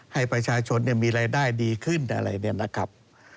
ให้ประชาชนมีรายได้ดีขึ้นอะไรเนี่ยนะครับ